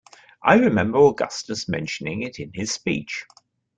I remember Augustus mentioning it in his speech.